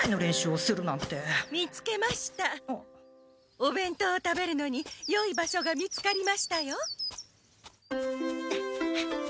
おべんとうを食べるのによい場所が見つかりましたよ。